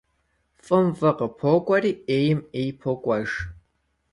ФӀым фӀы къыпокӀуэри, Ӏейм Ӏей покӀуэж.